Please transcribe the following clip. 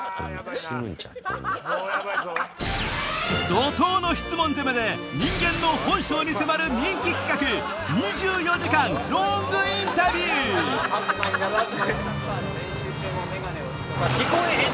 怒濤の質問攻めで人間の本性に迫る人気企画２４時間ロングインタビュークッ！